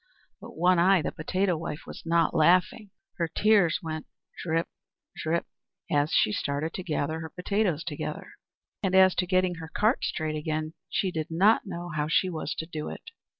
But One Eye, the potato wife, was not laughing. Her tears went drip drip as she started to gather her potatoes together. And as to getting her cart straight again, she did not know how she was to do it.